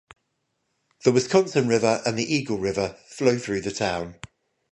The Wisconsin River and the Eagle River flow through the town.